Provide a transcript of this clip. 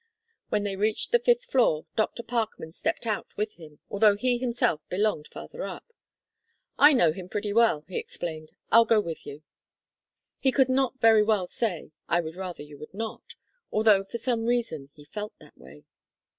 When they reached the fifth floor, Dr. Parkman stepped out with him, although he himself belonged farther up. "I know him pretty well," he explained, "I'll go with you." He could not very well say: "I would rather you would not," although for some reason he felt that way.